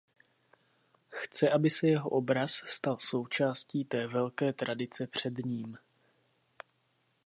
Chce aby se jeho obraz stal součástí té velké tradice před ním.